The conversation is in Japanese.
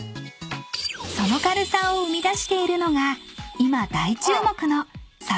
［その軽さを生み出しているのが今］